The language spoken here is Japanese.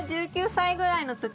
１９歳ぐらいの時？